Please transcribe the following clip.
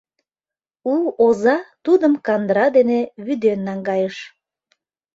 У оза тудым кандыра дене вӱден наҥгайыш.